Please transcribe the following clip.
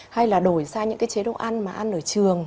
hay là đổi ra những cái chế độ ăn mà ăn ở trường